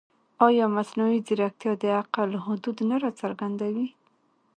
ایا مصنوعي ځیرکتیا د عقل حدود نه راڅرګندوي؟